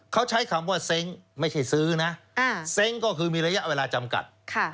เขาใช้คำว่าเซ้งไม่ใช่ซื้อนะเซ้งก็คือมีระยะเวลาจำกัด